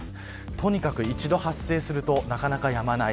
とにかく、一度発生するとなかなかやまない。